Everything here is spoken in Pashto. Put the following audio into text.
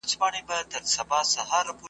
محبت لویه سجده ده